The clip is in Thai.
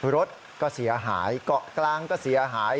รถก็เสียหายเกาะกลางก็เสียหาย